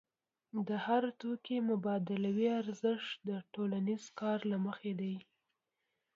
د هر توکي مبادلوي ارزښت د ټولنیز کار له مخې دی.